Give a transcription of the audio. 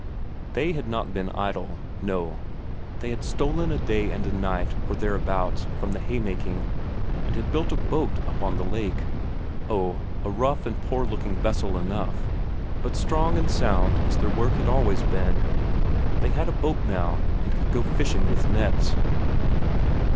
They had not been idle; no, they had stolen a day and a night or thereabouts from the haymaking, and had built a boat up on the lake. Oh, a rough and poor looking vessel enough, but strong and sound as their work had always been; they had a boat now, and could go fishing with nets.